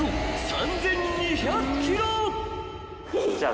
じゃあ。